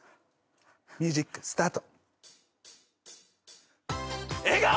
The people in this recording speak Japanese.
ミュージックスタート。